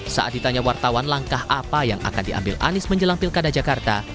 saat ditanya wartawan langkah apa yang akan diambil anies menjelang pilkada jakarta